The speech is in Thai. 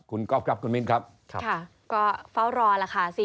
คุณก๊อบครับคุณมินครับค่ะฟ้าวรอละค่ะสิ